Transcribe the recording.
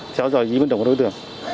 theo dõi ý minh đồng của đối tượng